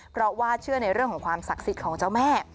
เพราะว่าเชื่อในเรื่องของความศักดิ์สิทธิ์ของเจ้าแม่